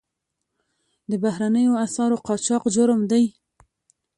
د بهرنیو اسعارو قاچاق جرم دی